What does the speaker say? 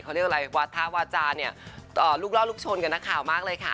เขาเรียกอะไรวาทะวาจาเนี่ยลูกล่อลูกชนกับนักข่าวมากเลยค่ะ